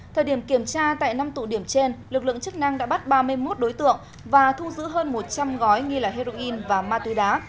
thời điểm kiểm tra tại năm tụ điểm trên lực lượng chức năng đã bắt ba mươi một đối tượng và thu giữ hơn một trăm linh gói nghi là heroin và ma túy đá